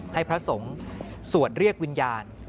ให้ผสมสวดเรียกวิญญาณ